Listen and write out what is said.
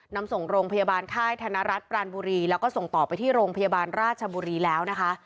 นำส่งโรงพยาบาลค่ายธนรัฐปรานบุรีแล้วก็ส่งต่อไปที่โรงพยาบาลราชบุรีแล้วนะคะ